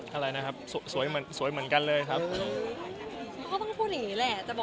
อะไรนะครับสวยเหมือนกันเลยครับ